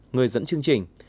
người dẫn chương trình